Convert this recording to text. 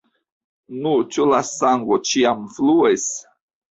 Nu, ĉu la sango ĉiam fluas?